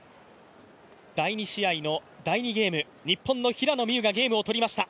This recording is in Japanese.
第２試合の第２ゲーム、日本の平野美宇がゲームを取りました。